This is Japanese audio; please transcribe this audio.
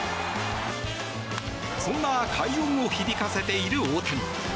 そんな快音を響かせている大谷。